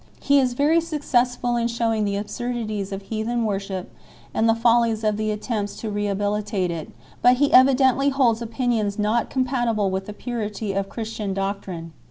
He is very ImcTTessful iri shewing the absurdities of heathen worship and the folly of the attempts to rehabilitate it; but he evidently holds opinions not compatible with the purity of Christian doctrine.